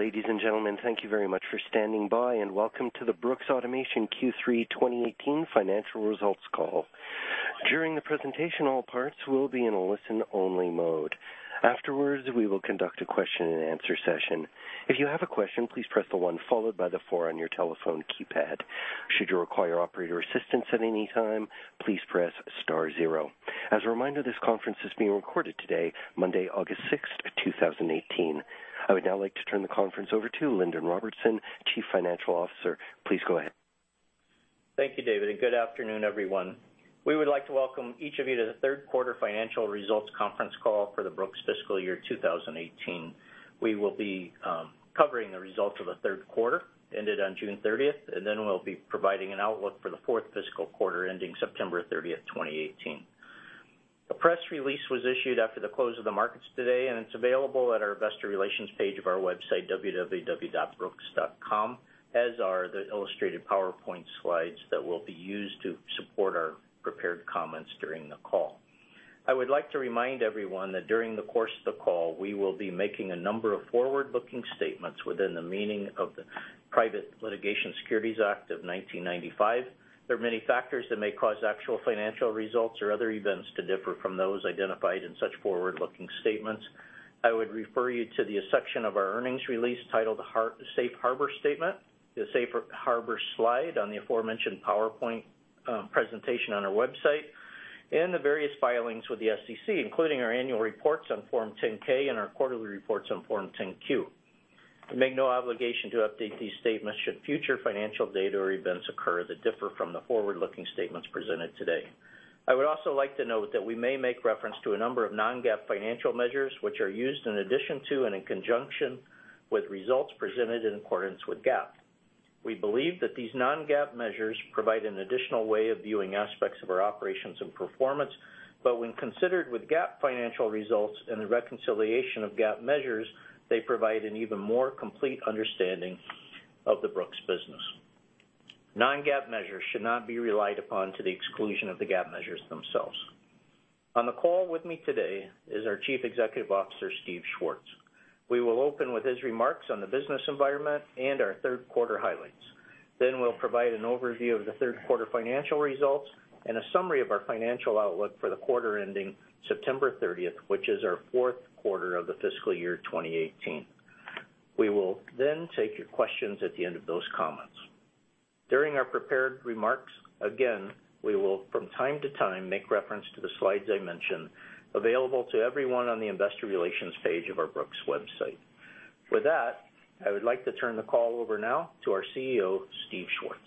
Ladies and gentlemen, thank you very much for standing by, and welcome to the Brooks Automation Q3 2018 financial results call. During the presentation, all parts will be in a listen-only mode. Afterwards, we will conduct a question and answer session. If you have a question, please press the one followed by the four on your telephone keypad. Should you require operator assistance at any time, please press star zero. As a reminder, this conference is being recorded today, Monday, August 6th, 2018. I would now like to turn the conference over to Lindon Robertson, Chief Financial Officer. Please go ahead. Thank you, David. Good afternoon, everyone. We would like to welcome each of you to the third quarter financial results conference call for the Brooks fiscal year 2018. We will be covering the results of the third quarter ended on June 30th, and then we'll be providing an outlook for the fourth fiscal quarter ending September 30th, 2018. A press release was issued after the close of the markets today, and it's available at our investor relations page of our website, brooks.com, as are the illustrated PowerPoint slides that will be used to support our prepared comments during the call. I would like to remind everyone that during the course of the call, we will be making a number of forward-looking statements within the meaning of the Private Securities Litigation Reform Act of 1995. There are many factors that may cause actual financial results or other events to differ from those identified in such forward-looking statements. I would refer you to the section of our earnings release titled Safe Harbor Statement, the Safe Harbor slide on the aforementioned PowerPoint presentation on our website, and the various filings with the SEC, including our annual reports on Form 10-K and our quarterly reports on Form 10-Q. We make no obligation to update these statements should future financial data or events occur that differ from the forward-looking statements presented today. I would also like to note that we may make reference to a number of non-GAAP financial measures, which are used in addition to and in conjunction with results presented in accordance with GAAP. We believe that these non-GAAP measures provide an additional way of viewing aspects of our operations and performance. When considered with GAAP financial results and the reconciliation of GAAP measures, they provide an even more complete understanding of the Brooks business. Non-GAAP measures should not be relied upon to the exclusion of the GAAP measures themselves. On the call with me today is our Chief Executive Officer, Steve Schwartz. We will open with his remarks on the business environment and our third quarter highlights. We'll provide an overview of the third quarter financial results and a summary of our financial outlook for the quarter ending September 30th, which is our fourth quarter of the fiscal year 2018. We will then take your questions at the end of those comments. During our prepared remarks, again, we will, from time to time, make reference to the slides I mentioned, available to everyone on the investor relations page of our Brooks website. With that, I would like to turn the call over now to our CEO, Steve Schwartz.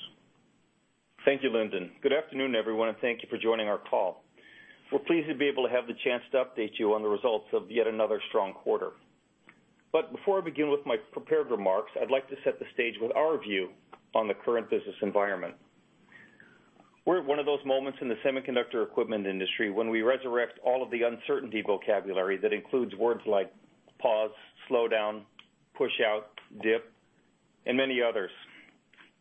Thank you, Lindon. Good afternoon, everyone, and thank you for joining our call. We're pleased to be able to have the chance to update you on the results of yet another strong quarter. Before I begin with my prepared remarks, I'd like to set the stage with our view on the current business environment. We're at one of those moments in the semiconductor equipment industry when we resurrect all of the uncertainty vocabulary that includes words like pause, slow down, push out, dip, and many others.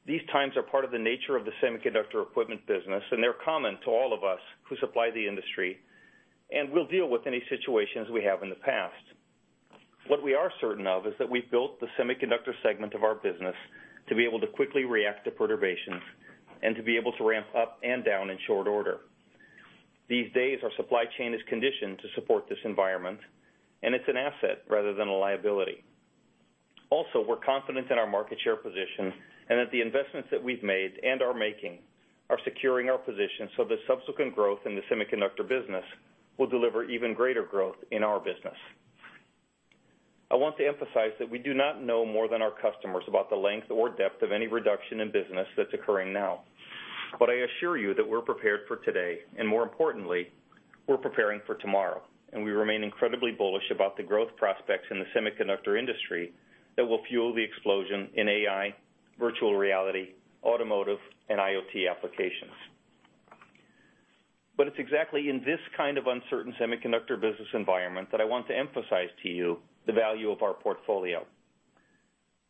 These times are part of the nature of the semiconductor equipment business, and they're common to all of us who supply the industry, and we'll deal with any situations we have in the past. What we are certain of is that we've built the semiconductor segment of our business to be able to quickly react to perturbations and to be able to ramp up and down in short order. These days, our supply chain is conditioned to support this environment, and it's an asset rather than a liability. Also, we're confident in our market share position and that the investments that we've made and are making are securing our position so that subsequent growth in the semiconductor business will deliver even greater growth in our business. I want to emphasize that we do not know more than our customers about the length or depth of any reduction in business that's occurring now. It's exactly in this kind of uncertain semiconductor business environment that I want to emphasize to you the value of our portfolio.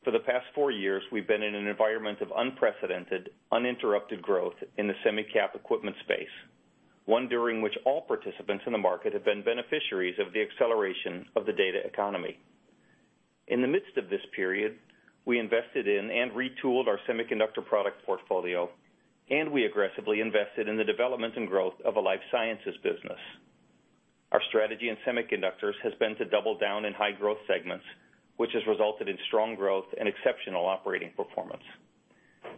For the past four years, we've been in an environment of unprecedented, uninterrupted growth in the semi-cap equipment space, one during which all participants in the market have been beneficiaries of the acceleration of the data economy. In the midst of this period, we invested in and retooled our semiconductor product portfolio, we aggressively invested in the development and growth of a life sciences business. Our strategy in semiconductors has been to double down in high-growth segments, which has resulted in strong growth and exceptional operating performance.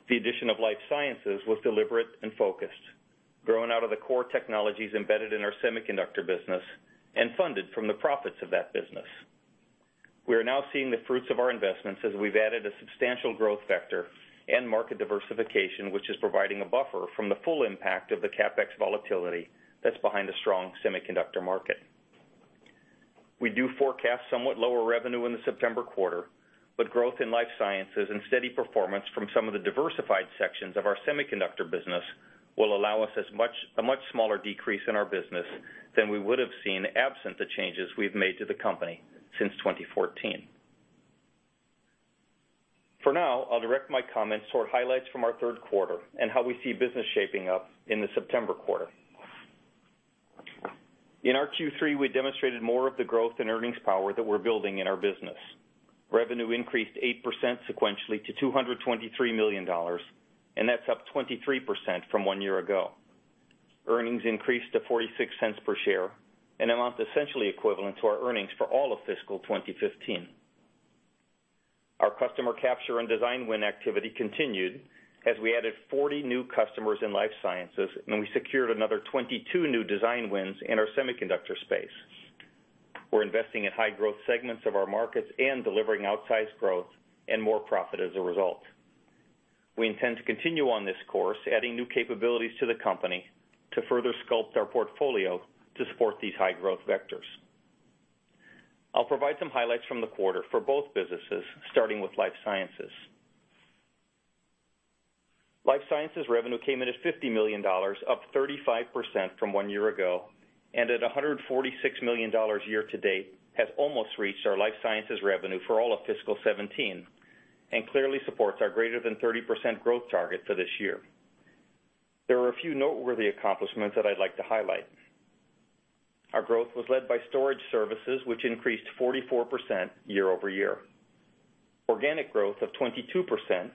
The addition of Life Sciences was deliberate and focused, growing out of the core technologies embedded in our semiconductor business and funded from the profits of that business. We are now seeing the fruits of our investments as we've added a substantial growth vector and market diversification, which is providing a buffer from the full impact of the CapEx volatility that's behind the strong semiconductor market. We do forecast somewhat lower revenue in the September quarter, but growth in Life Sciences and steady performance from some of the diversified sections of our semiconductor business will allow us a much smaller decrease in our business than we would have seen absent the changes we've made to the company since 2014. For now, I'll direct my comments toward highlights from our third quarter and how we see business shaping up in the September quarter. In our Q3, we demonstrated more of the growth and earnings power that we're building in our business. Revenue increased 8% sequentially to $223 million, and that's up 23% from one year ago. Earnings increased to $0.46 per share, an amount essentially equivalent to our earnings for all of fiscal 2015. Our customer capture and design win activity continued as we added 40 new customers in Life Sciences, and we secured another 22 new design wins in our semiconductor space. We're investing in high growth segments of our markets and delivering outsized growth and more profit as a result. We intend to continue on this course, adding new capabilities to the company to further sculpt our portfolio to support these high growth vectors. I'll provide some highlights from the quarter for both businesses, starting with Life Sciences. Life Sciences revenue came in at $50 million, up 35% from one year ago, and at $146 million year to date, has almost reached our Life Sciences revenue for all of fiscal 2017, and clearly supports our greater than 30% growth target for this year. There are a few noteworthy accomplishments that I'd like to highlight. Our growth was led by storage services, which increased 44% year-over-year. Organic growth of 22%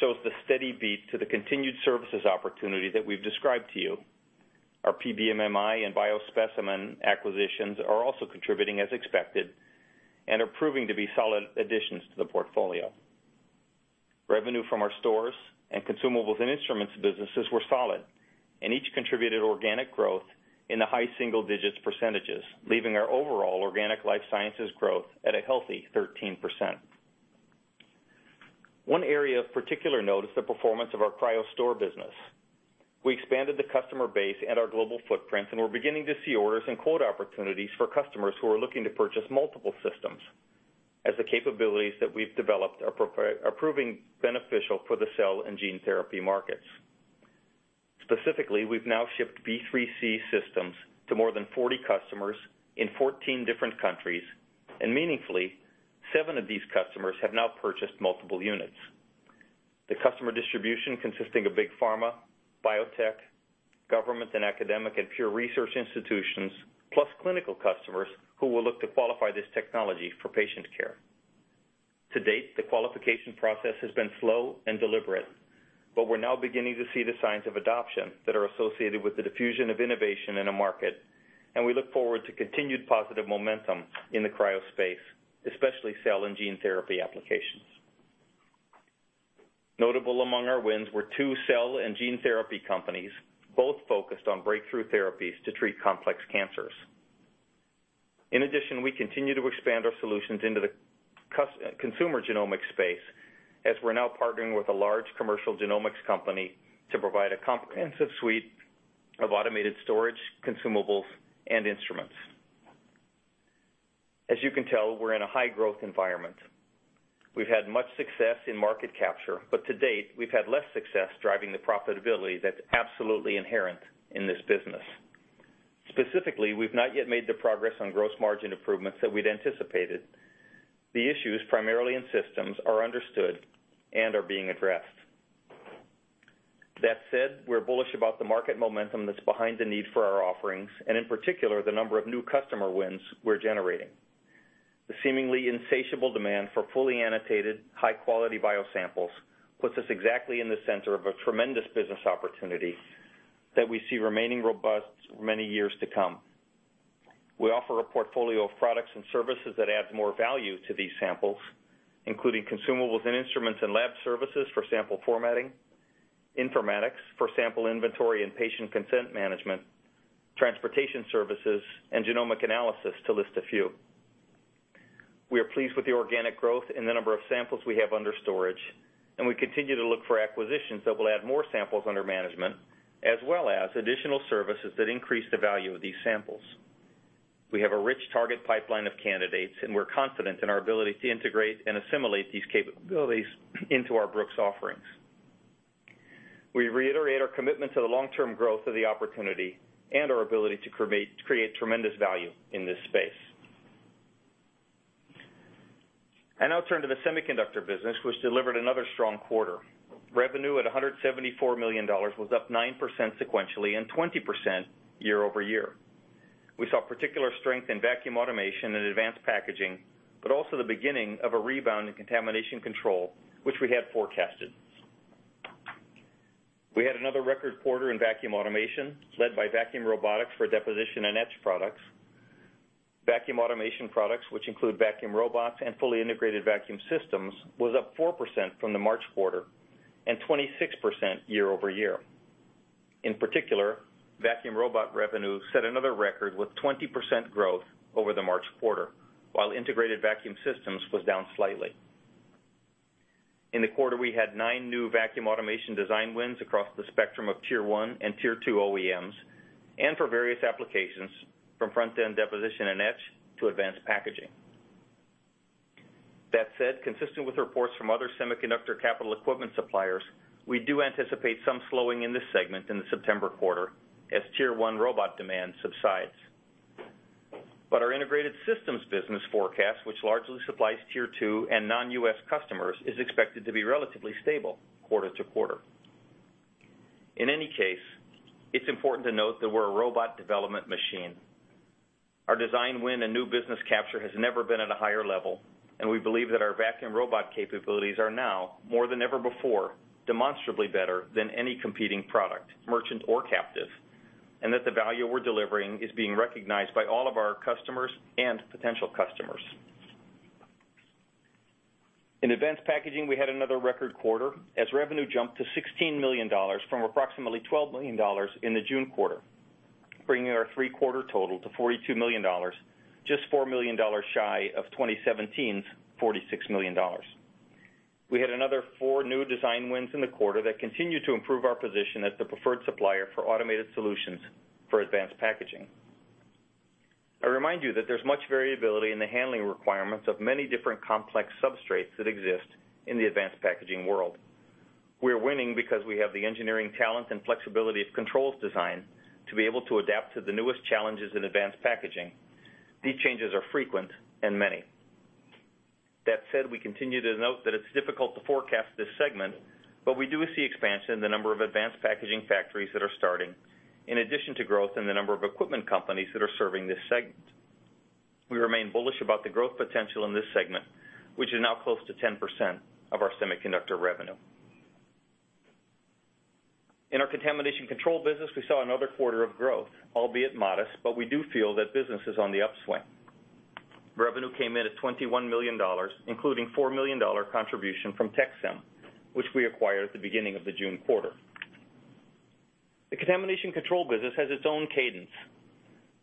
shows the steady beat to the continued services opportunity that we've described to you. Our PBMMI and BioSpeciMan acquisitions are also contributing as expected and are proving to be solid additions to the portfolio. Revenue from our stores and consumables and instruments businesses were solid and each contributed organic growth in the high single digits %, leaving our overall organic Life Sciences growth at a healthy 13%. One area of particular note is the performance of our cryo store business. We expanded the customer base and our global footprint, and we're beginning to see orders and quote opportunities for customers who are looking to purchase multiple systems, as the capabilities that we've developed are proving beneficial for the cell and gene therapy markets. Specifically, we've now shipped B3C systems to more than 40 customers in 14 different countries, and meaningfully, seven of these customers have now purchased multiple units. The customer distribution consisting of big pharma, biotech, government, and academic and pure research institutions, plus clinical customers who will look to qualify this technology for patient care. To date, the qualification process has been slow and deliberate, but we're now beginning to see the signs of adoption that are associated with the diffusion of innovation in a market, and we look forward to continued positive momentum in the cryo space, especially cell and gene therapy applications. Notable among our wins were two cell and gene therapy companies, both focused on breakthrough therapies to treat complex cancers. In addition, we continue to expand our solutions into the consumer genomics space, as we're now partnering with a large commercial genomics company to provide a comprehensive suite of automated storage, consumables, and instruments. As you can tell, we're in a high growth environment. We've had much success in market capture, but to date, we've had less success driving the profitability that's absolutely inherent in this business. Specifically, we've not yet made the progress on gross margin improvements that we'd anticipated. The issues, primarily in systems, are understood and are being addressed. That said, we're bullish about the market momentum that's behind the need for our offerings, and in particular, the number of new customer wins we're generating. The seemingly insatiable demand for fully annotated, high-quality biosamples puts us exactly in the center of a tremendous business opportunity that we see remaining robust for many years to come. We offer a portfolio of products and services that adds more value to these samples, including consumables and instruments and lab services for sample formatting, informatics for sample inventory and patient consent management, transportation services, and genomic analysis, to list a few. We are pleased with the organic growth in the number of samples we have under storage, and we continue to look for acquisitions that will add more samples under management, as well as additional services that increase the value of these samples. We have a rich target pipeline of candidates, and we're confident in our ability to integrate and assimilate these capabilities into our Brooks offerings. We reiterate our commitment to the long-term growth of the opportunity and our ability to create tremendous value in this space. I now turn to the semiconductor business, which delivered another strong quarter. Revenue at $174 million was up 9% sequentially and 20% year-over-year. We saw particular strength in vacuum automation and advanced packaging, but also the beginning of a rebound in contamination control, which we had forecasted. We had another record quarter in vacuum automation, led by vacuum robotics for deposition and etch products. Vacuum automation products, which include vacuum robots and fully integrated vacuum systems, was up 4% from the March quarter and 26% year-over-year. In particular, vacuum robot revenue set another record with 20% growth over the March quarter, while integrated vacuum systems was down slightly. In the quarter, we had nine new vacuum automation design wins across the spectrum of tier 1 and tier 2 OEMs, and for various applications, from front-end deposition and etch to advanced packaging. That said, consistent with reports from other semiconductor capital equipment suppliers, we do anticipate some slowing in this segment in the September quarter as tier 1 robot demand subsides. Our integrated systems business forecast, which largely supplies tier 2 and non-U.S. customers, is expected to be relatively stable quarter-to-quarter. In any case, it's important to note that we're a robot development machine. Our design win and new business capture has never been at a higher level. We believe that our vacuum robot capabilities are now, more than ever before, demonstrably better than any competing product, merchant or captive, and that the value we're delivering is being recognized by all of our customers and potential customers. In advanced packaging, we had another record quarter as revenue jumped to $16 million from approximately $12 million in the June quarter, bringing our three-quarter total to $42 million, just $4 million shy of 2017's $46 million. We had another four new design wins in the quarter that continue to improve our position as the preferred supplier for automated solutions for advanced packaging. I remind you that there's much variability in the handling requirements of many different complex substrates that exist in the advanced packaging world. We are winning because we have the engineering talent and flexibility of controls design to be able to adapt to the newest challenges in advanced packaging. These changes are frequent and many. That said, we continue to note that it's difficult to forecast this segment. We do see expansion in the number of advanced packaging factories that are starting, in addition to growth in the number of equipment companies that are serving this segment. We remain bullish about the growth potential in this segment, which is now close to 10% of our semiconductor revenue. In our contamination control business, we saw another quarter of growth, albeit modest. We do feel that business is on the upswing. Revenue came in at $21 million, including $4 million contribution from Tec-Sem, which we acquired at the beginning of the June quarter. The contamination control business has its own cadence.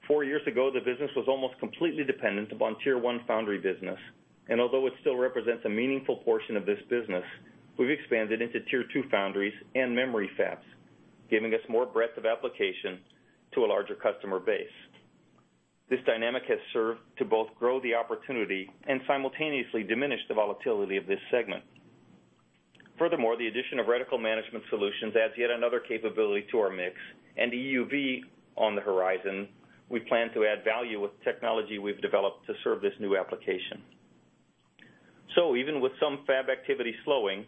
Four years ago, the business was almost completely dependent upon Tier 1 foundry business. Although it still represents a meaningful portion of this business, we've expanded into Tier 2 foundries and memory fabs, giving us more breadth of application to a larger customer base. This dynamic has served to both grow the opportunity and simultaneously diminish the volatility of this segment. Furthermore, the addition of reticle management solutions adds yet another capability to our mix. EUV on the horizon, we plan to add value with technology we've developed to serve this new application. Even with some fab activity slowing,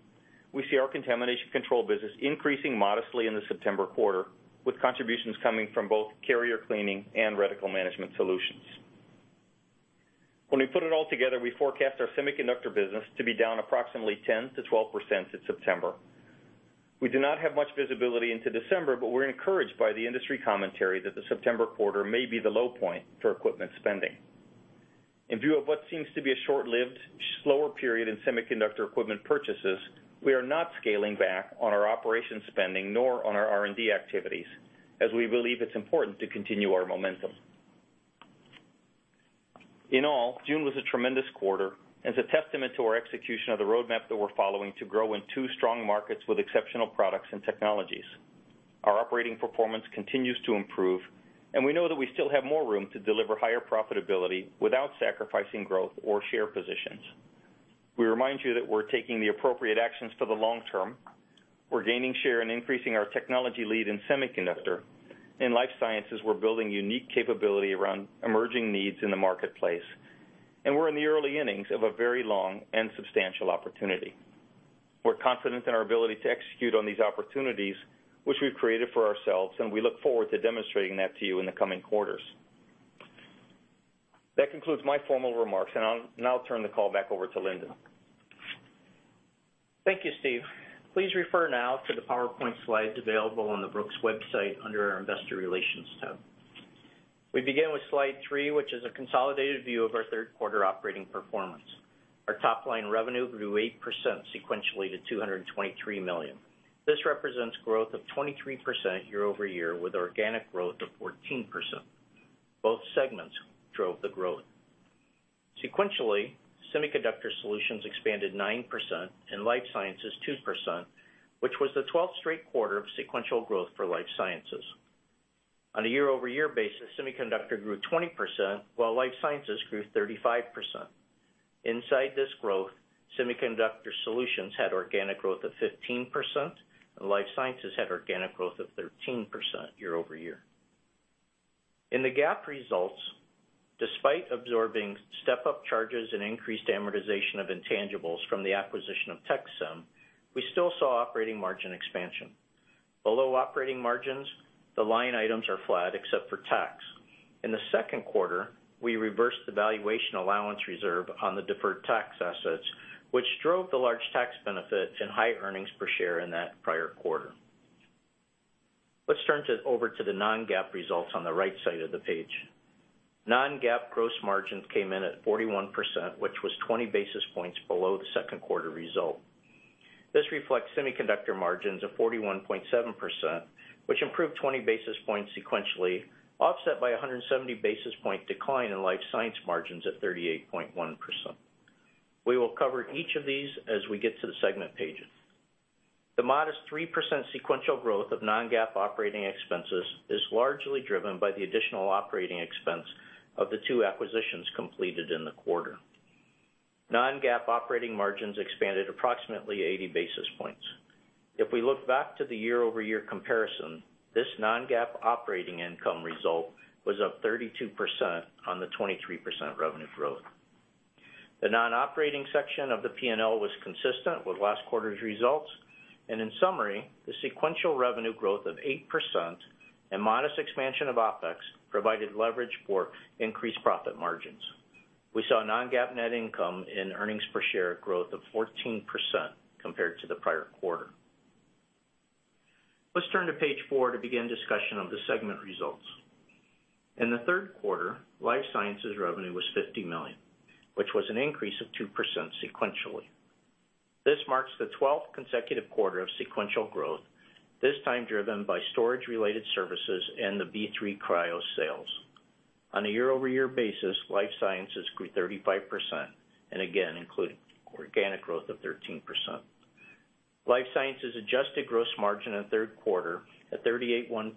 we see our contamination control business increasing modestly in the September quarter, with contributions coming from both carrier cleaning and reticle management solutions. When we put it all together, we forecast our semiconductor business to be down approximately 10%-12% in September. We do not have much visibility into December. We're encouraged by the industry commentary that the September quarter may be the low point for equipment spending. In view of what seems to be a short-lived, slower period in semiconductor equipment purchases, we are not scaling back on our operation spending nor on our R&D activities, as we believe it's important to continue our momentum. In all, June was a tremendous quarter and is a testament to our execution of the roadmap that we're following to grow in two strong markets with exceptional products and technologies. Our operating performance continues to improve, and we know that we still have more room to deliver higher profitability without sacrificing growth or share positions. We remind you that we're taking the appropriate actions for the long term. We're gaining share and increasing our technology lead in semiconductor. In life sciences, we're building unique capability around emerging needs in the marketplace, and we're in the early innings of a very long and substantial opportunity. We're confident in our ability to execute on these opportunities which we've created for ourselves, and we look forward to demonstrating that to you in the coming quarters. That concludes my formal remarks, and I'll now turn the call back over to Lindon. Thank you, Steve. Please refer now to the PowerPoint slides available on the Brooks website under our investor relations tab. We begin with slide three, which is a consolidated view of our third quarter operating performance. Our top-line revenue grew 8% sequentially to $223 million. This represents growth of 23% year-over-year, with organic growth of 14%. Both segments drove the growth. Sequentially, semiconductor solutions expanded 9% and life sciences 2%, which was the 12th straight quarter of sequential growth for life sciences. On a year-over-year basis, semiconductor grew 20%, while life sciences grew 35%. Inside this growth, semiconductor solutions had organic growth of 15%, and life sciences had organic growth of 13% year-over-year. In the GAAP results, despite absorbing step-up charges and increased amortization of intangibles from the acquisition of Tec-Sem, we still saw operating margin expansion. Below operating margins, the line items are flat except for tax. In the second quarter, we reversed the valuation allowance reserve on the deferred tax assets, which drove the large tax benefit and high earnings per share in that prior quarter. Let's turn it over to the non-GAAP results on the right side of the page. Non-GAAP gross margins came in at 41%, which was 20 basis points below the second quarter result. This reflects semiconductor margins of 41.7%, which improved 20 basis points sequentially, offset by 170 basis points decline in life science margins at 38.1%. We will cover each of these as we get to the segment pages. The modest 3% sequential growth of non-GAAP operating expenses is largely driven by the additional operating expense of the two acquisitions completed in the quarter. Non-GAAP operating margins expanded approximately 80 basis points. If we look back to the year-over-year comparison, this non-GAAP operating income result was up 32% on the 23% revenue growth. The non-operating section of the P&L was consistent with last quarter's results. In summary, the sequential revenue growth of 8% and modest expansion of OpEx provided leverage for increased profit margins. We saw non-GAAP net income and earnings per share growth of 14% compared to the prior quarter. Let's turn to page four to begin discussion of the segment results. In the third quarter, life sciences revenue was $50 million, which was an increase of 2% sequentially. This marks the 12th consecutive quarter of sequential growth, this time driven by storage-related services and the BioStore III Cryo sales. On a year-over-year basis, life sciences grew 35%, and again, including organic growth of 13%. Life Sciences adjusted gross margin in the third quarter at 38.1%,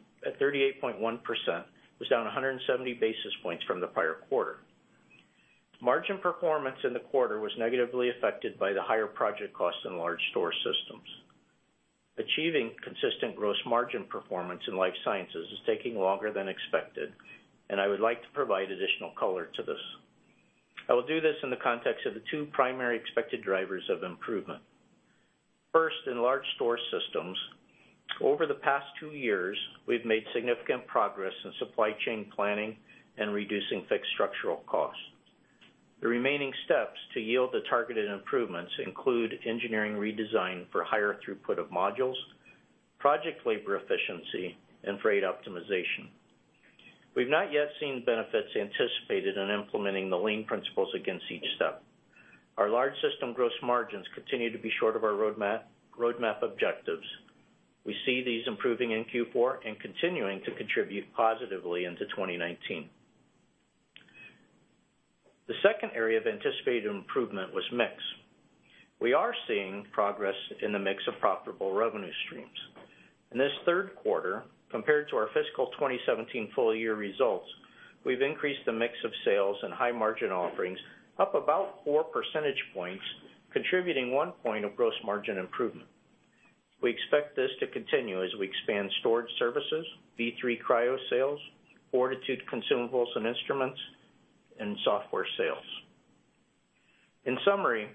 was down 170 basis points from the prior quarter. Margin performance in the quarter was negatively affected by the higher project costs in large storage systems. Achieving consistent gross margin performance in Life Sciences is taking longer than expected. I would like to provide additional color to this. I will do this in the context of the 2 primary expected drivers of improvement. First, in large storage systems, over the past 2 years, we've made significant progress in supply chain planning and reducing fixed structural costs. The remaining steps to yield the targeted improvements include engineering redesign for higher throughput of modules, project labor efficiency, and freight optimization. We've not yet seen benefits anticipated in implementing the lean principles against each step. Our large system gross margins continue to be short of our roadmap objectives. We see these improving in Q4 and continuing to contribute positively into 2019. The second area of anticipated improvement was mix. We are seeing progress in the mix of profitable revenue streams. In this third quarter, compared to our fiscal 2017 full-year results, we've increased the mix of sales and high-margin offerings up about 4 percentage points, contributing 1 point of gross margin improvement. We expect this to continue as we expand storage services, BioStore III Cryo sales, 4titude consumables and instruments, and software sales. In summary,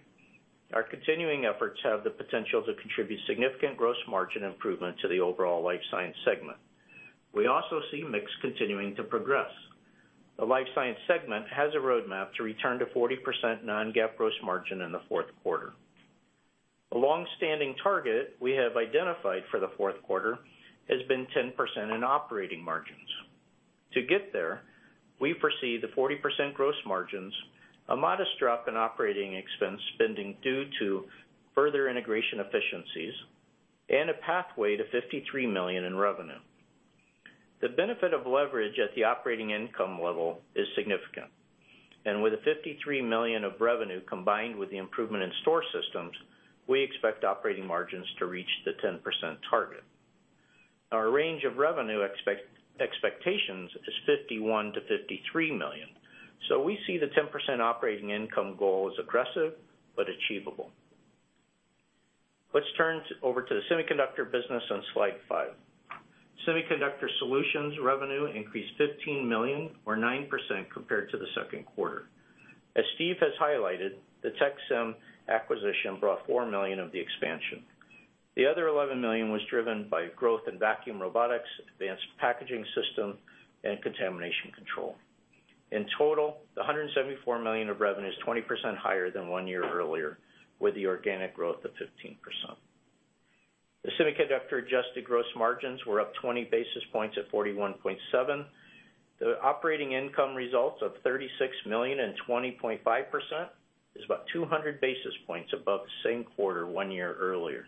our continuing efforts have the potential to contribute significant gross margin improvement to the overall Life Sciences segment. We also see mix continuing to progress. The Life Sciences segment has a roadmap to return to 40% non-GAAP gross margin in the fourth quarter. A longstanding target we have identified for the fourth quarter has been 10% in operating margins. To get there, we foresee the 40% gross margins, a modest drop in operating expense spending due to further integration efficiencies, and a pathway to $53 million in revenue. The benefit of leverage at the operating income level is significant. With a $53 million of revenue combined with the improvement in store systems, we expect operating margins to reach the 10% target. Our range of revenue expectations is $51 million-$53 million. We see the 10% operating income goal as aggressive but achievable. Let's turn over to the semiconductor business on slide five. Semiconductor Solutions revenue increased $15 million or 9% compared to the second quarter. As Steve has highlighted, the Tec-Sem acquisition brought $4 million of the expansion. The other $11 million was driven by growth in vacuum robotics, advanced packaging system, and contamination control. In total, the $174 million of revenue is 20% higher than 1 year earlier, with the organic growth of 15%. The Semiconductor adjusted gross margins were up 20 basis points at 41.7%. The operating income results of $36 million and 20.5% is about 200 basis points above the same quarter 1 year earlier.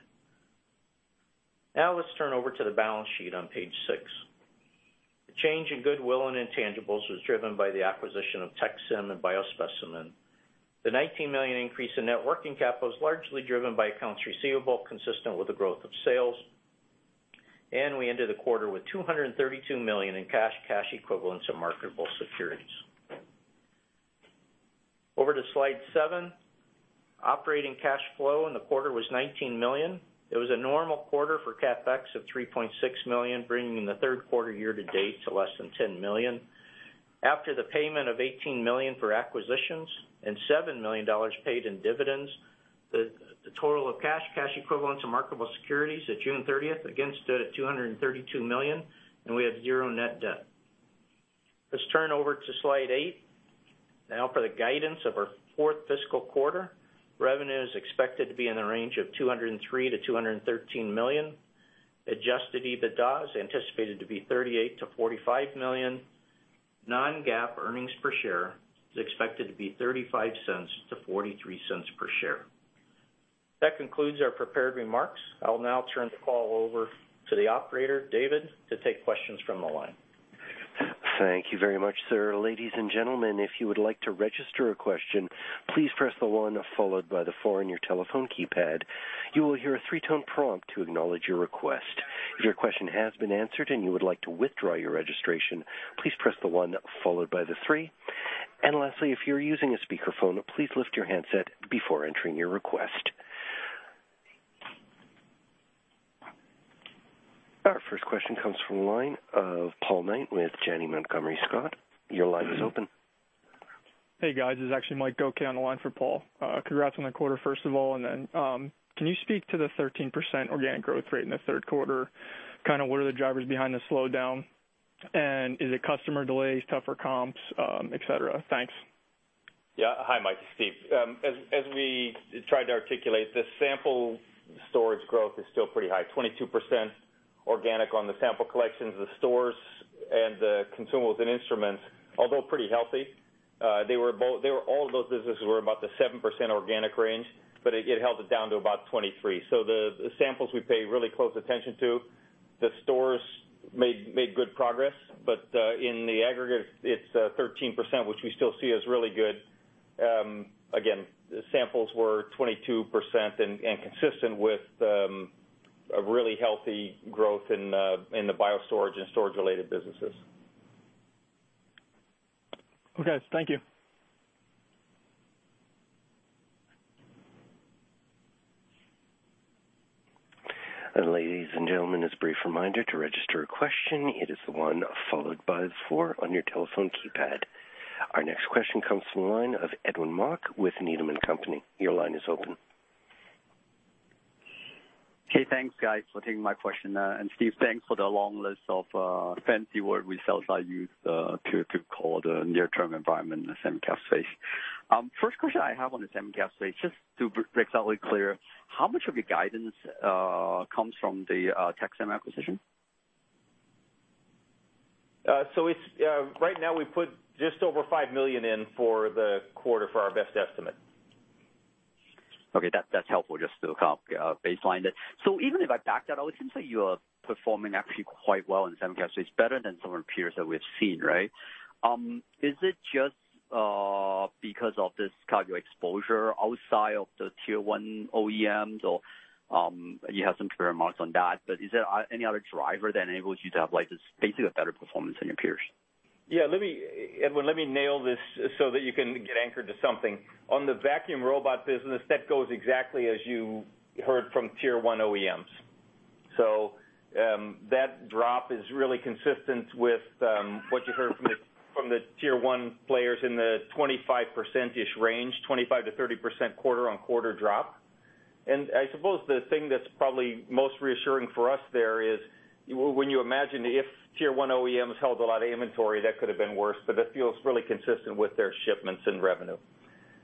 Let's turn over to the balance sheet on page six. The change in goodwill and intangibles was driven by the acquisition of Tec-Sem and BioSpeciMan. The $19 million increase in net working capital was largely driven by accounts receivable consistent with the growth of sales. We ended the quarter with $232 million in cash equivalents and marketable securities. Over to slide seven. Operating cash flow in the quarter was $19 million. It was a normal quarter for CapEx of $3.6 million, bringing the third quarter year-to-date to less than $10 million. After the payment of $18 million for acquisitions and $7 million paid in dividends, the total of cash equivalents and marketable securities at June 30th again stood at $232 million, and we have zero net debt. Let's turn over to slide eight. For the guidance of our fourth fiscal quarter, revenue is expected to be in the range of $203 million-$213 million, adjusted EBITDA is anticipated to be $38 million-$45 million. Non-GAAP earnings per share is expected to be $0.35-$0.43 per share. That concludes our prepared remarks. I'll now turn the call over to the operator, David, to take questions from the line. Thank you very much, sir. Ladies and gentlemen, if you would like to register a question, please press the one followed by the four on your telephone keypad. You will hear a three-tone prompt to acknowledge your request. If your question has been answered and you would like to withdraw your registration, please press the one followed by the three. Lastly, if you're using a speakerphone, please lift your handset before entering your request. Next question comes from the line of Paul Knight with Janney Montgomery Scott. Your line is open. Hey, guys. This is actually Mike Gokey on the line for Paul. Congrats on the quarter, first of all, can you speak to the 13% organic growth rate in the third quarter? What are the drivers behind the slowdown? Is it customer delays, tougher comps, et cetera? Thanks. Yeah. Hi, Mike, it's Steve. As we tried to articulate, the sample storage growth is still pretty high, 22% organic on the sample collections. The stores and the consumables and instruments, although pretty healthy, all of those businesses were about the 7% organic range, it held it down to about 23. The samples we pay really close attention to. The stores made good progress, in the aggregate, it's 13%, which we still see as really good. Again, the samples were 22% and consistent with a really healthy growth in the biostorage and storage-related businesses. Okay. Thank you. Ladies and gentlemen, as a brief reminder to register a question, it is the one followed by the four on your telephone keypad. Our next question comes from the line of Edwin Mok with Needham & Company. Your line is open. Okay. Thanks, guys, for taking my question. Steve, thanks for the long list of fancy word we sell side use to call the near-term environment in the semi-cap space. First question I have on the semi-cap space, just to be totally clear, how much of your guidance comes from the Tec-Sem acquisition? Right now, we put just over $5 million in for the quarter for our best estimate. That's helpful just to baseline that. Even if I back that out, it seems like you are performing actually quite well in semi-cap space, better than some of the peers that we've seen, right? Is it just because of this kind of exposure outside of the tier 1 OEMs, or you have some clear remarks on that. Is there any other driver that enables you to have basically a better performance than your peers? Edwin, let me nail this so that you can get anchored to something. On the vacuum robot business, that goes exactly as you heard from tier 1 OEMs. That drop is really consistent with what you heard from the tier 1 players in the 25%-ish range, 25%-30% quarter-over-quarter drop. I suppose the thing that's probably most reassuring for us there is when you imagine if tier 1 OEMs held a lot of inventory, that could have been worse, but it feels really consistent with their shipments and revenue.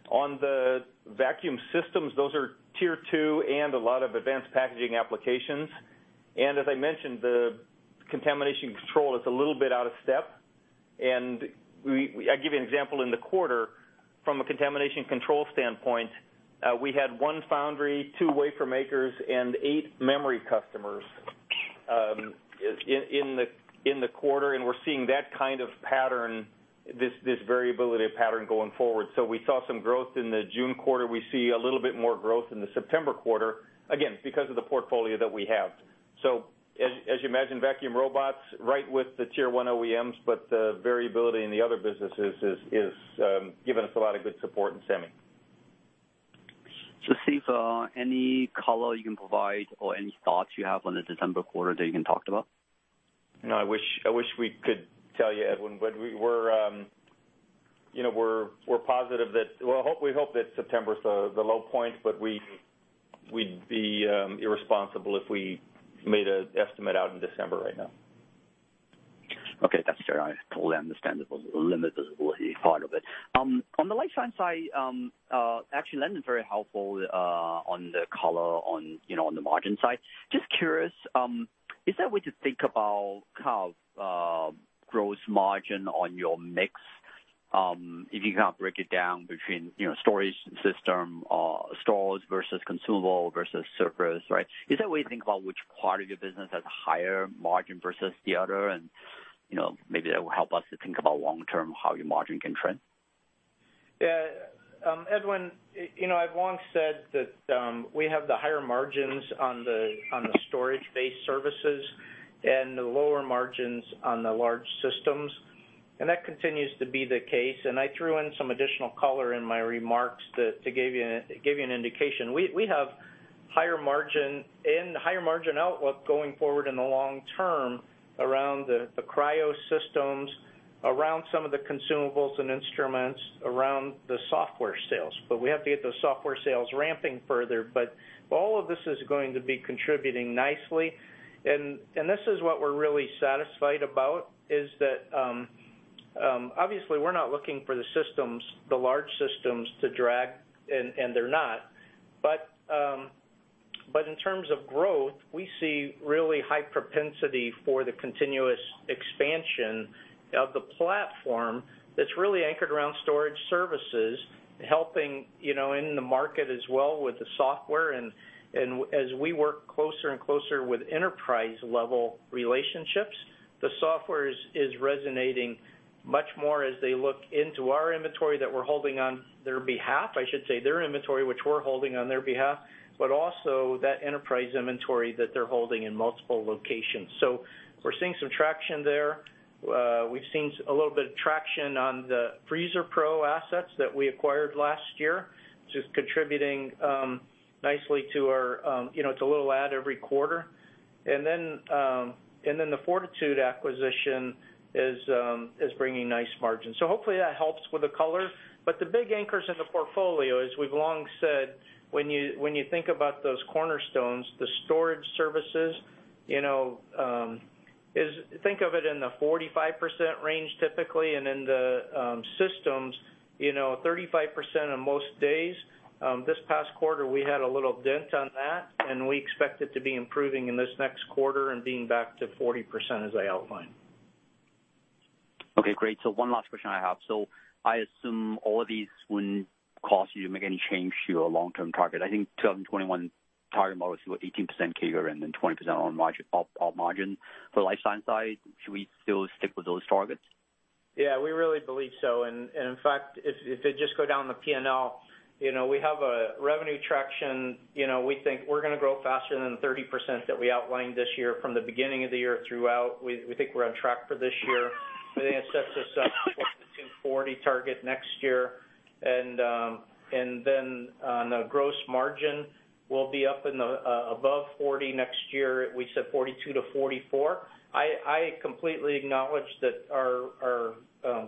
On the vacuum systems, those are tier 2 and a lot of advanced packaging applications. As I mentioned, the contamination control is a little bit out of step. I'll give you an example in the quarter, from a contamination control standpoint, we had one foundry, two wafer makers, and eight memory customers in the quarter, and we're seeing that kind of pattern, this variability pattern going forward. We saw some growth in the June quarter. We see a little bit more growth in the September quarter, again, because of the portfolio that we have. As you imagine, vacuum robots right with the tier 1 OEMs, but the variability in the other businesses is giving us a lot of good support in semi. Steve, any color you can provide or any thoughts you have on the December quarter that you can talk about? No, I wish we could tell you, Edwin, we hope that September's the low point, but we'd be irresponsible if we made an estimate out in December right now. Okay, that's fair. I totally understand the limited visibility part of it. On the life science side, actually, Lindon was very helpful on the color on the margin side. Just curious, is there a way to think about kind of gross margin on your mix? If you kind of break it down between storage system or storage versus consumable versus service, right? Is there a way to think about which part of your business has higher margin versus the other and maybe that will help us to think about long term how your margin can trend? Yeah. Edwin, I've long said that we have the higher margins on the storage-based services and the lower margins on the large systems, that continues to be the case. I threw in some additional color in my remarks to give you an indication. We have higher margin and higher margin outlook going forward in the long term around the cryo systems, around some of the consumables and instruments, around the software sales. We have to get those software sales ramping further. All of this is going to be contributing nicely. This is what we're really satisfied about is that, obviously we're not looking for the large systems to drag, and they're not. In terms of growth, we see really high propensity for the continuous expansion of the platform that's really anchored around storage services, helping in the market as well with the software. As we work closer and closer with enterprise-level relationships, the software is resonating much more as they look into our inventory that we're holding on their behalf, I should say, their inventory, which we're holding on their behalf, also that enterprise inventory that they're holding in multiple locations. We're seeing some traction there. We've seen a little bit of traction on the FreezerPro assets that we acquired last year, which is contributing nicely. It's a little add every quarter. Then the 4titude acquisition is bringing nice margins. Hopefully that helps with the color. The big anchors in the portfolio, as we've long said, when you think about those cornerstones, the storage services, think of it in the 45% range typically, in the systems, 35% on most days. This past quarter, we had a little dent on that, and we expect it to be improving in this next quarter and being back to 40% as I outlined. Okay, great. One last question I have. I assume all of these wouldn't cause you to make any change to your long-term target. I think 2021 target model is what, 18% CAGR and then 20% op margin for the life science side. Should we still stick with those targets? Yeah, we really believe so. In fact, if they just go down the P&L, we have a revenue traction. We think we're going to grow faster than 30% that we outlined this year from the beginning of the year throughout. We think we're on track for this year. We think it sets us up for the $240 target next year. Then on the gross margin, we'll be up above 40% next year. We said 42%-44%. I completely acknowledge that our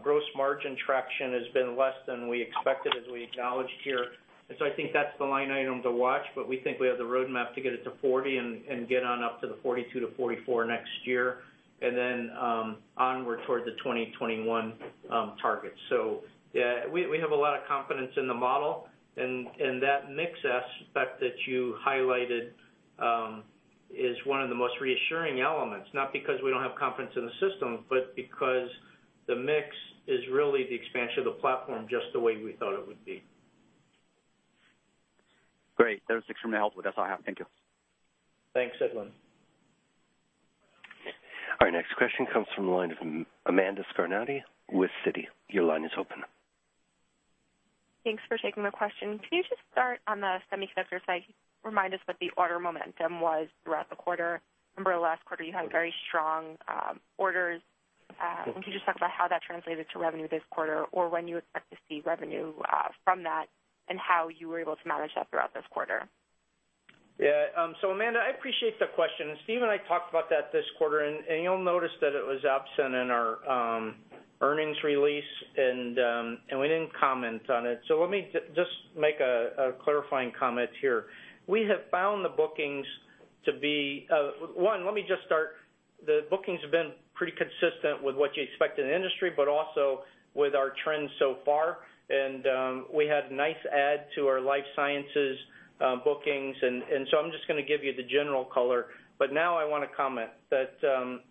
gross margin traction has been less than we expected, as we acknowledged here. I think that's the line item to watch, but we think we have the roadmap to get it to 40% and get on up to the 42%-44% next year, then onward toward the 2021 target. Yeah, we have a lot of confidence in the model, and that mix aspect that you highlighted is one of the most reassuring elements, not because we don't have confidence in the system, but because the mix is really the expansion of the platform just the way we thought it would be. Great. That was extremely helpful. That is all I have. Thank you. Thanks, Edwin. Our next question comes from the line of Amanda Scarnati with Citi. Your line is open. Thanks for taking my question. Can you just start on the semiconductor side? Remind us what the order momentum was throughout the quarter. Remember last quarter you had very strong orders. Okay. Can you just talk about how that translated to revenue this quarter, or when you expect to see revenue from that, and how you were able to manage that throughout this quarter? Yeah. Amanda, I appreciate the question. Steve and I talked about that this quarter, and you'll notice that it was absent in our earnings release, and we didn't comment on it. Let me just make a clarifying comment here. One, let me just start, the bookings have been pretty consistent with what you expect in the industry, but also with our trends so far, and we had nice add to our Life Sciences bookings, and so I'm just going to give you the general color. Now I want to comment that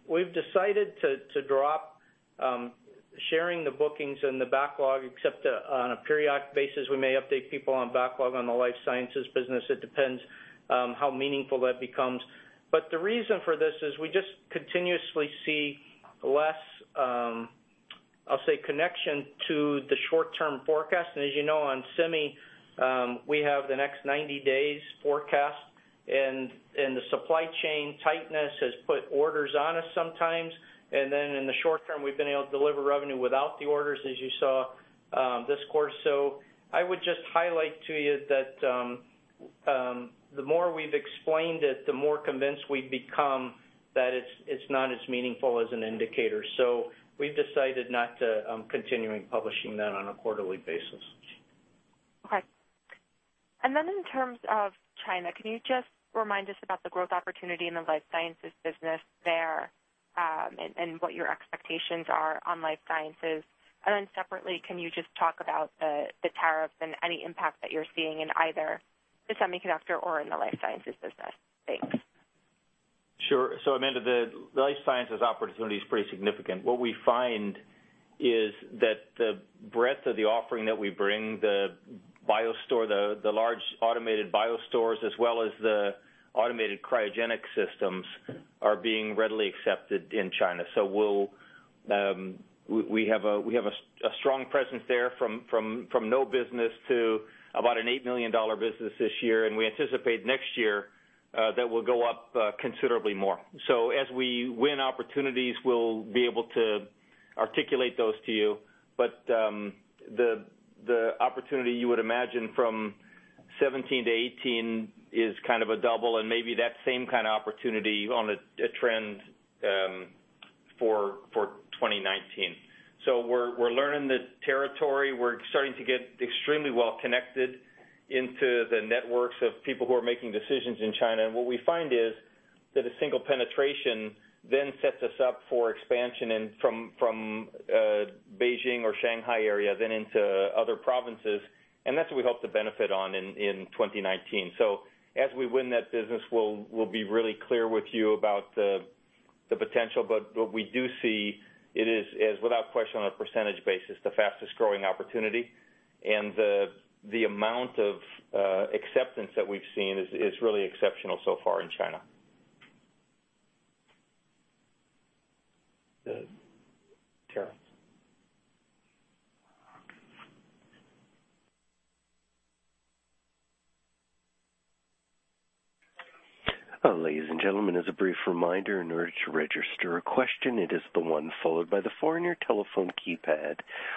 we've decided to drop sharing the bookings and the backlog, except on a periodic basis, we may update people on backlog on the Life Sciences business. It depends how meaningful that becomes. The reason for this is we just continuously see less, I'll say, connection to the short-term forecast. As you know, on semi, we have the next 90-days forecast, and the supply chain tightness has put orders on us sometimes. In the short term, we've been able to deliver revenue without the orders, as you saw this quarter. I would just highlight to you that the more we've explained it, the more convinced we've become that it's not as meaningful as an indicator. We've decided not to continuing publishing that on a quarterly basis. Okay. In terms of China, can you just remind us about the growth opportunity in the Life Sciences business there, and what your expectations are on Life Sciences? Separately, can you just talk about the tariffs and any impact that you're seeing in either the semiconductor or in the Life Sciences business? Thanks. Sure. Amanda, the life sciences opportunity is pretty significant. What we find is that the breadth of the offering that we bring, the biostore, the large automated biostores, as well as the automated cryogenic systems, are being readily accepted in China. We have a strong presence there from no business to about an $8 million business this year, and we anticipate next year that we'll go up considerably more. As we win opportunities, we'll be able to articulate those to you. The opportunity you would imagine from 2017 to 2018 is kind of a double, and maybe that same kind of opportunity on a trend for 2019. We're learning the territory. We're starting to get extremely well connected into the networks of people who are making decisions in China. What we find is that a single penetration then sets us up for expansion from Beijing or Shanghai area then into other provinces, and that's what we hope to benefit on in 2019. As we win that business, we'll be really clear with you about the potential. What we do see, it is, without question, on a percentage basis, the fastest-growing opportunity. The amount of acceptance that we've seen is really exceptional so far in China. Good. Tara. Ladies and gentlemen, as a brief reminder, in order to register a question, it is the one followed by the four on your telephone keypad.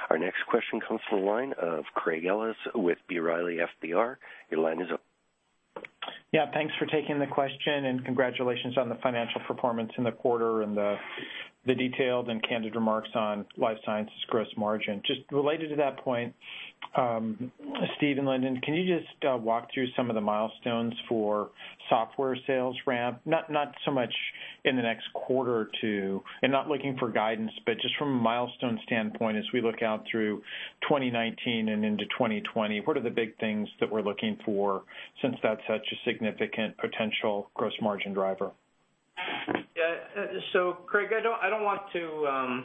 Our next question comes from the line of Craig Ellis with B. Riley FBR. Your line is open. Yeah. Thanks for taking the question, congratulations on the financial performance in the quarter and the detailed and candid remarks on life sciences gross margin. Just related to that point, Steve and Lindon, can you just walk through some of the milestones for software sales ramp? Not so much in the next quarter or two, and not looking for guidance, but just from a milestone standpoint, as we look out through 2019 and into 2020, what are the big things that we're looking for since that's such a significant potential gross margin driver? Yeah. Craig, I don't want to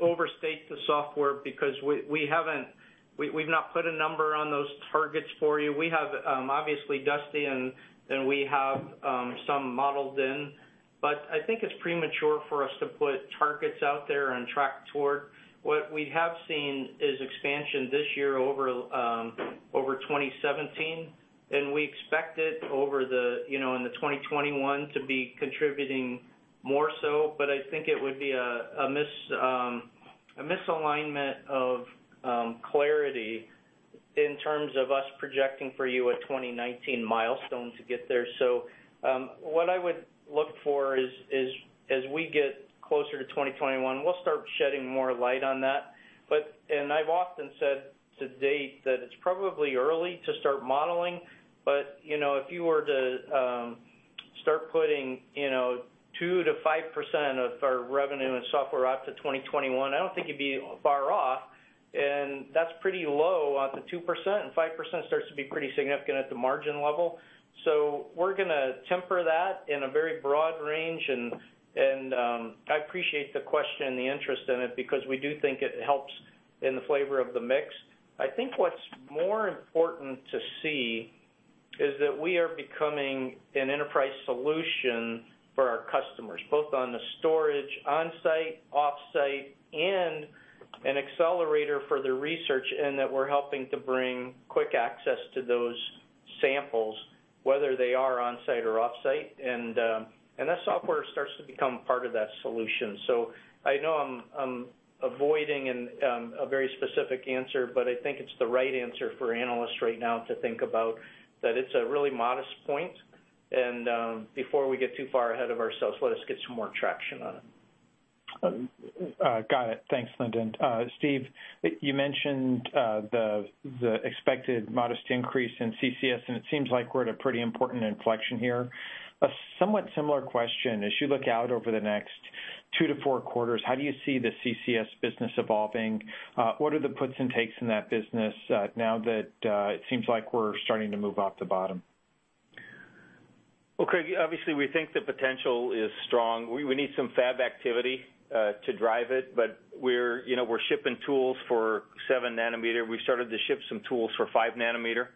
overstate the software because we've not put a number on those targets for you. We have, obviously, Dusty, and we have some modeled in, but I think it's premature for us to put targets out there and track toward. What we have seen is expansion this year over 2017, and we expect it in 2021 to be contributing more so. I think it would be a misalignment of clarity in terms of us projecting for you a 2019 milestone to get there. What I would look for is, as we get closer to 2021, we'll start shedding more light on that. I've often said to date that it's probably early to start modeling, but if you were to start putting 2%-5% of our revenue and software out to 2021, I don't think you'd be far off, and that's pretty low. The 2% and 5% starts to be pretty significant at the margin level. We're going to temper that in a very broad range, and I appreciate the question and the interest in it because we do think it helps in the flavor of the mix. I think what's more important to see is that we are becoming an enterprise solution for our customers, both on the storage, on-site, off-site, and an accelerator for the research in that we're helping to bring quick access to those samples, whether they are on-site or off-site. That software starts to become part of that solution. I know I'm avoiding a very specific answer, but I think it's the right answer for analysts right now to think about that it's a really modest point, and before we get too far ahead of ourselves, let us get some more traction on it. Got it. Thanks, Lindon. Steve, you mentioned the expected modest increase in CCS, and it seems like we're at a pretty important inflection here. A somewhat similar question. As you look out over the next two to four quarters, how do you see the CCS business evolving? What are the puts and takes in that business now that it seems like we're starting to move off the bottom? Well, Craig, obviously we think the potential is strong. We need some fab activity to drive it. We're shipping tools for 7 nanometer. We started to ship some tools for 5 nanometer.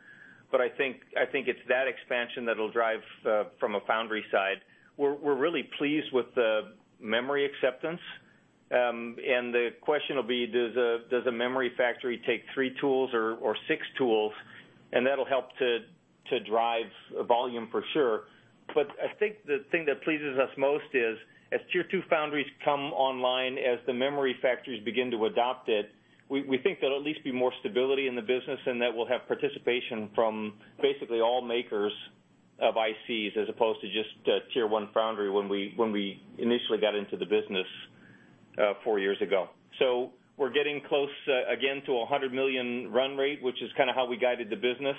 I think it's that expansion that'll drive from a foundry side. We're really pleased with the memory acceptance. The question will be, does a memory factory take 3 tools or 6 tools? That'll help to drive volume for sure. I think the thing that pleases us most is as tier 2 foundries come online, as the memory factories begin to adopt it, we think there'll at least be more stability in the business, and that we'll have participation from basically all makers of ICs as opposed to just tier 1 foundry when we initially got into the business 4 years ago. We're getting close again to $100 million run rate, which is kind of how we guided the business.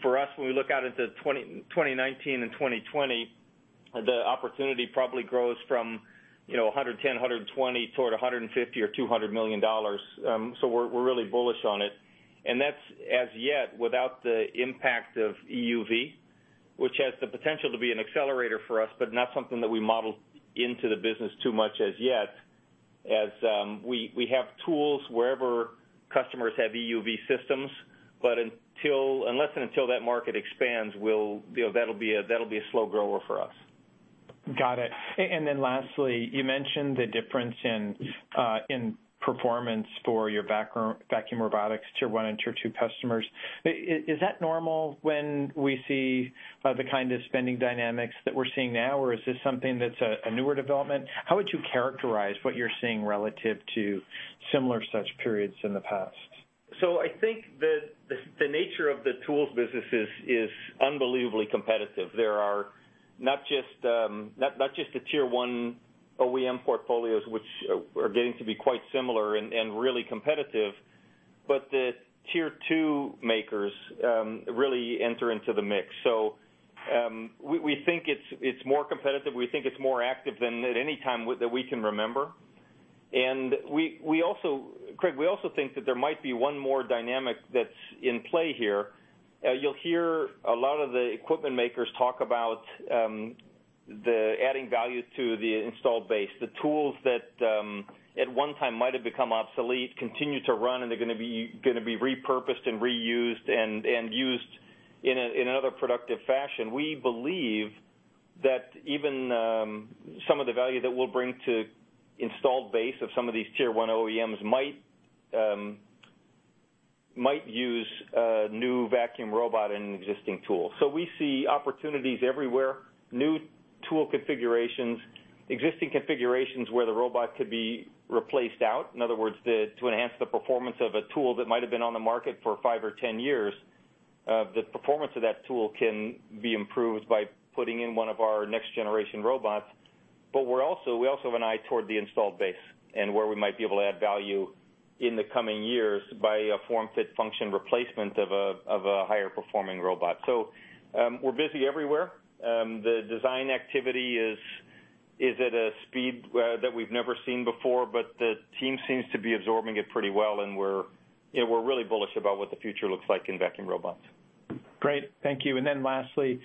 For us, when we look out into 2019 and 2020, the opportunity probably grows from $110, $120 toward $150 or $200 million. We're really bullish on it, and that's as yet without the impact of EUV, which has the potential to be an accelerator for us, not something that we model into the business too much as yet, as we have tools wherever customers have EUV systems, unless and until that market expands, that'll be a slow grower for us. Got it. Lastly, you mentioned the difference in performance for your vacuum robotics tier 1 and tier 2 customers. Is that normal when we see the kind of spending dynamics that we're seeing now, or is this something that's a newer development? How would you characterize what you're seeing relative to similar such periods in the past? I think the nature of the tools business is unbelievably competitive. There are not just the tier 1 OEM portfolios, which are getting to be quite similar and really competitive, but the tier 2 makers really enter into the mix. We think it's more competitive. We think it's more active than at any time that we can remember. Craig, we also think that there might be one more dynamic that's in play here. You'll hear a lot of the equipment makers talk about the adding value to the installed base. The tools that at one time might have become obsolete continue to run, and they're going to be repurposed and reused, and used in another productive fashion. We believe that even some of the value that we'll bring to installed base of some of these tier 1 OEMs might use a new vacuum robot in an existing tool. We see opportunities everywhere, new tool configurations, existing configurations where the robot could be replaced out. In other words, to enhance the performance of a tool that might have been on the market for 5 or 10 years. The performance of that tool can be improved by putting in one of our next-generation robots. We also have an eye toward the installed base and where we might be able to add value in the coming years by a form, fit, function replacement of a higher-performing robot. We're busy everywhere. The design activity is at a speed that we've never seen before, the team seems to be absorbing it pretty well, and we're really bullish about what the future looks like in vacuum robots. Great. Thank you. Lastly,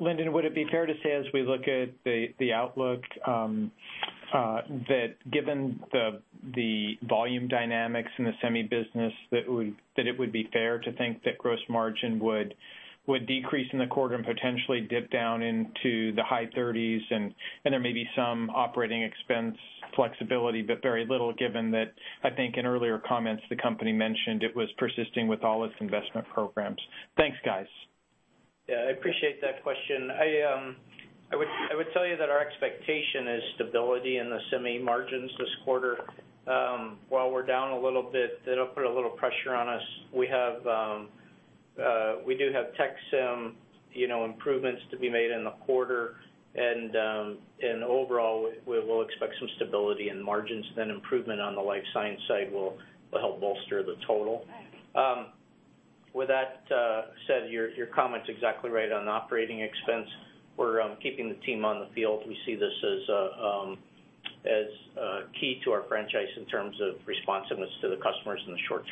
Lindon, would it be fair to say, as we look at the outlook, that given the volume dynamics in the semi business, that it would be fair to think that gross margin would decrease in the quarter and potentially dip down into the high 30s, and there may be some operating expense flexibility, but very little, given that, I think in earlier comments, the company mentioned it was persisting with all its investment programs. Thanks, guys. I appreciate that question. I would tell you that our expectation is stability in the semi margins this quarter. While we're down a little bit, that'll put a little pressure on us. We do have Tec-Sem improvements to be made in the quarter, and overall, we'll expect some stability in margins. Improvement on the life science side will help bolster the total. With that said, your comment's exactly right on operating expense. We're keeping the team on the field. We see this as key to our franchise in terms of responsiveness to the customers in the short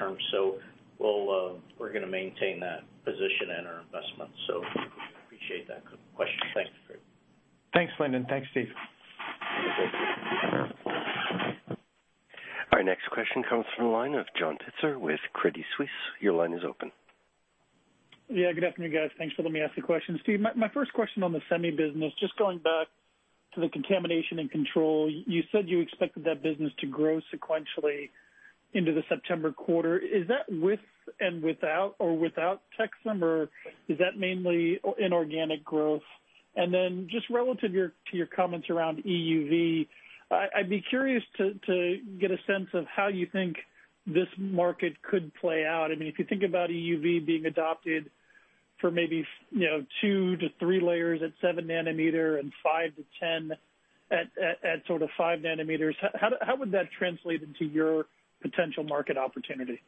term. We're going to maintain that position and our investment. Appreciate that question. Thanks. Thanks, Lindon. Thanks, Steve. Our next question comes from the line of John Pitzer with Credit Suisse. Your line is open. Yeah. Good afternoon, guys. Thanks for letting me ask the question. Steve, my first question on the semi business, just going back to the contamination and control, you said you expected that business to grow sequentially into the September quarter. Is that with and without or without Tec-Sem, or is that mainly inorganic growth? Just relative to your comments around EUV, I'd be curious to get a sense of how you think this market could play out. If you think about EUV being adopted for maybe two to three layers at seven nanometer and five to 10 at sort of five nanometers, how would that translate into your potential market opportunity?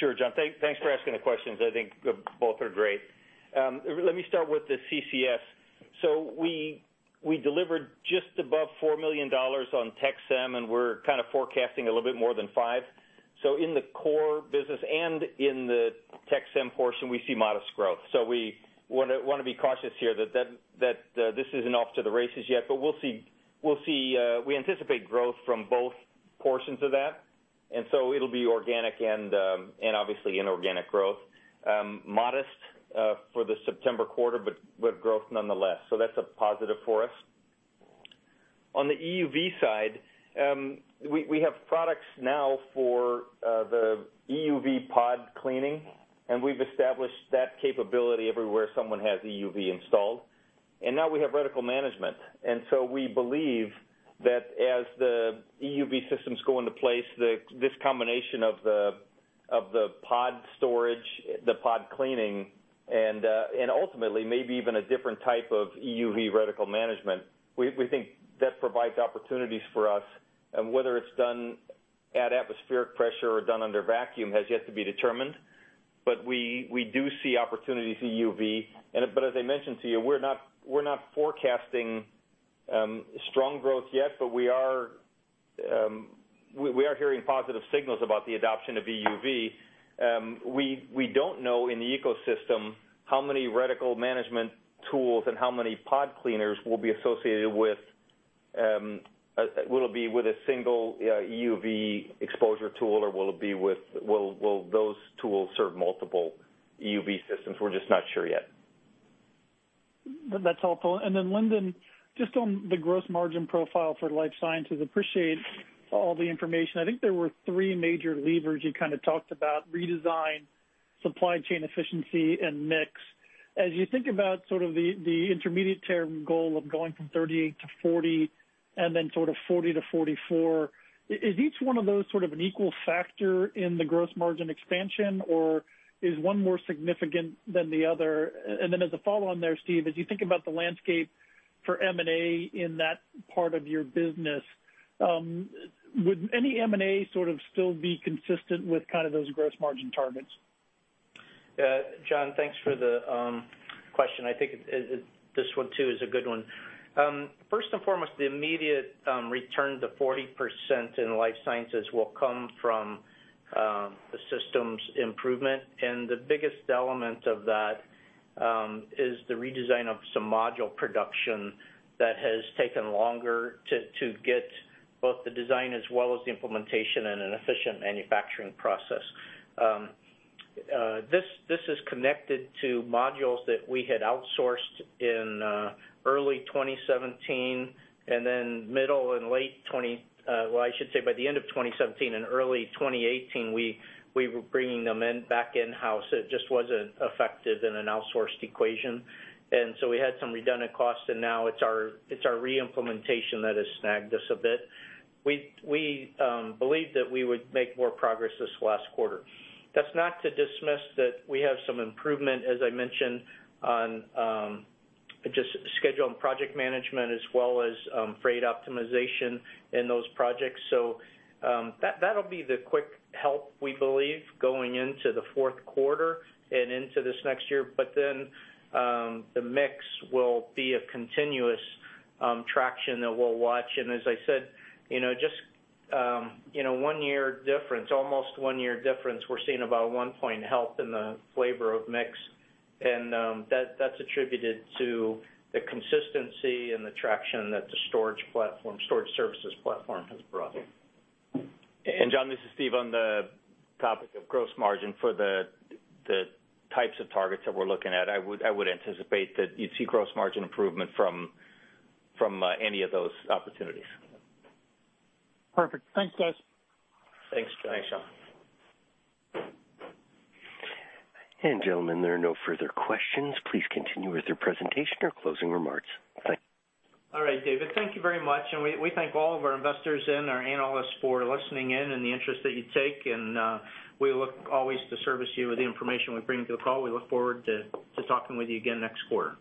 Sure, John. Thanks for asking the questions. I think both are great. Let me start with the CCS. We delivered just above $4 million on Tec-Sem, and we're kind of forecasting a little bit more than $5 million. In the core business and in the Tec-Sem portion, we see modest growth. We want to be cautious here that this isn't off to the races yet, but we anticipate growth from both portions of that, it'll be organic and obviously inorganic growth. Modest for the September quarter, but growth nonetheless. That's a positive for us. On the EUV side, we have products now for the EUV pod cleaning, and we've established that capability everywhere someone has EUV installed, and now we have reticle management. We believe that as the EUV systems go into place, this combination of the pod storage, the pod cleaning, and ultimately maybe even a different type of EUV reticle management, we think that provides opportunities for us. Whether it's done at atmospheric pressure or done under vacuum has yet to be determined. We do see opportunities in EUV. As I mentioned to you, we're not forecasting strong growth yet, but we are hearing positive signals about the adoption of EUV. We don't know in the ecosystem how many reticle management tools and how many pod cleaners will be associated with, will it be with a single EUV exposure tool, or will those tools serve multiple EUV systems? We're just not sure yet. That's helpful. Lindon, just on the gross margin profile for Life Sciences, appreciate all the information. I think there were three major levers you kind of talked about: redesign, supply chain efficiency, and mix. As you think about sort of the intermediate-term goal of going from 38%-40%, and then sort of 40%-44%, is each one of those sort of an equal factor in the gross margin expansion, or is one more significant than the other? As a follow-on there, Steve, as you think about the landscape for M&A in that part of your business, would any M&A sort of still be consistent with kind of those gross margin targets? John, thanks for the question. I think this one too is a good one. First and foremost, the immediate return to 40% in Life Sciences will come from the systems improvement, and the biggest element of that is the redesign of some module production that has taken longer to get both the design as well as the implementation in an efficient manufacturing process. This is connected to modules that we had outsourced in early 2017 and then middle and late -- well, I should say by the end of 2017 and early 2018, we were bringing them back in-house. It just wasn't effective in an outsourced equation. We had some redundant costs, and now it's our re-implementation that has snagged us a bit. We believe that we would make more progress this last quarter. That's not to dismiss that we have some improvement, as I mentioned, on just schedule and project management as well as freight optimization in those projects. That'll be the quick help, we believe, going into the fourth quarter and into this next year. The mix will be a continuous traction that we'll watch. As I said, just one year difference, almost one year difference, we're seeing about one point help in the flavor of mix, and that's attributed to the consistency and the traction that the storage services platform has brought. John, this is Steve. On the topic of gross margin for the types of targets that we're looking at, I would anticipate that you'd see gross margin improvement from any of those opportunities. Perfect. Thanks, guys. Thanks, John. Thanks, John. gentlemen, there are no further questions. Please continue with your presentation or closing remarks. Thanks. All right, David. Thank you very much, and we thank all of our investors and our analysts for listening in and the interest that you take, and we look always to service you with the information we bring to the call. We look forward to talking with you again next quarter.